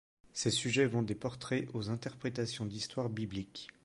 Ses sujets vont des portraits aux interprétations d’histoires bibliques.